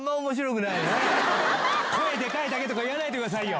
声でかいだけとか言わないでくださいよ。